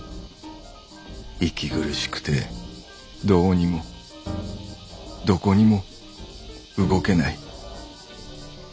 息苦しくてどうにもどこにも動けない。